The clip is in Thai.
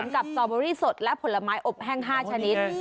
กับสตอเบอรี่สดและผลไม้อบแห้ง๕ชนิด